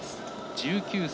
１９歳。